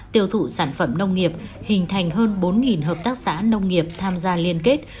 tiêu thụ sản phẩm nông nghiệp hình thành hơn bốn hợp tác xã nông nghiệp tham gia liên kết